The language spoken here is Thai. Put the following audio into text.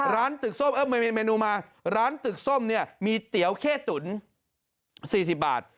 ร้านตึกส้มไม่มีเมนูมาร้านตึกส้มเนี่ยมีเตี๋ยวเข้ตุ๋น๔๐บาท